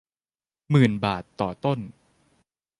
หมื่นบาทต่อต้น